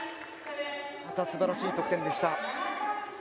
またすばらしい得点でした。